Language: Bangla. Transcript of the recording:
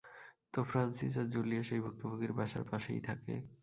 তো ফ্রান্সিস আর জুলিয়া সেই ভুক্তভোগীর বাসার পাশেই থাকে।